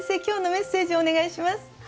今日のメッセージをお願いします。